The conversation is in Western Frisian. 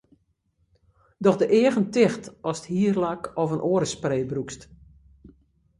Doch de eagen ticht ast hierlak of in oare spray brûkst.